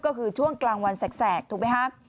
ก็คือช่วงกลางวันแสกถูกไหมครับ